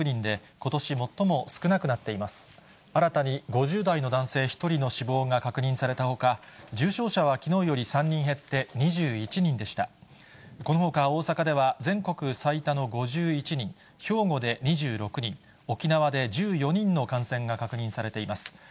このほか大阪では全国最多の５１人、兵庫で２６人、沖縄で１４人の感染が確認されています。